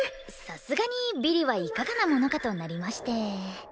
さすがにビリはいかがなものかとなりまして。